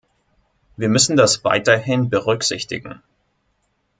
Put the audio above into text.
Wir müssen das weiterhin berücksichtigen.